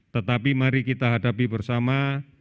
tetapi mari kita hadapi bersama